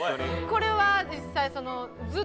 これは実際。